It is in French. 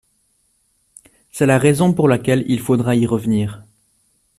C’est la raison pour laquelle il faudra y revenir.